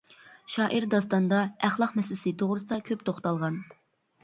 شائىر داستاندا ئەخلاق مەسىلىسى توغرىسىدا كۆپ توختالغان.